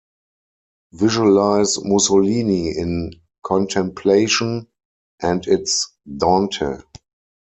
Visualize Mussolini in contemplation, and it's Dante.